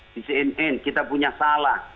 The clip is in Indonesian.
di cnn kita punya salah